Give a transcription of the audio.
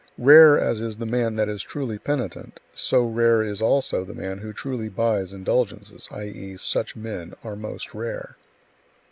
Rare as is the man that is truly penitent, so rare is also the man who truly buys indulgences, i.e., such men are most rare.